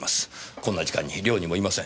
こんな時間に寮にもいません。